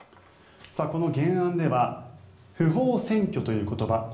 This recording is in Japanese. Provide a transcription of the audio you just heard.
この原案では不法占拠という言葉